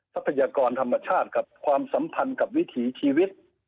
ทรัพยากรธรรมชาติครับความสัมพันธ์กับวิถีชีวิต